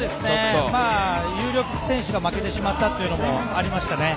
有力選手が負けてしまったというのもありましたね。